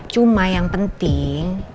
cuma yang penting